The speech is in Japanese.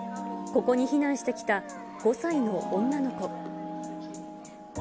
ここに避難してきた５歳の女の子。